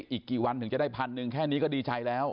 อีกกี่วันถึงจะได้๑๐๐๐แค่นี้ก็ดีใจแล้ว